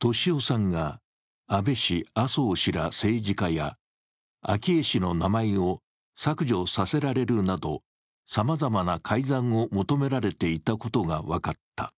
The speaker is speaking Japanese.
俊夫さんが、安倍氏、麻生氏ら政治家や昭恵氏の名前を削除させられるなどさまざまな改ざんを求められていたことが分かった。